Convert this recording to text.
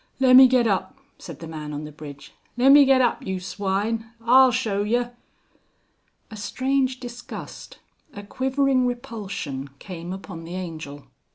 "Lemmeget up," said the man on the bridge: "Lemmeget up, you swine. I'll show yer." A strange disgust, a quivering repulsion came upon the Angel.